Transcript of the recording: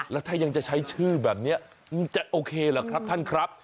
แล้วถ้ายังจะใช้ชื่อแบบนี้จะโอเคเหรอครับท่านครับ